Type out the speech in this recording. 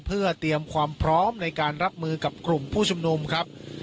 เพื่อเตรียมความพร้อมในการรับมือกับกลุ่มผู้ชุมนุมครับ